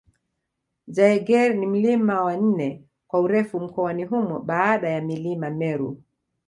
Jaeger ni mlima wa nne kwa urefu mkoani humo baada ya milima Meru